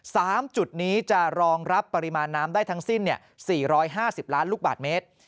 สามจุดนี้จะรองรับปริมาณน้ำได้ทั้งสิ้น๔๕๐ล้านลูกบาทเมตร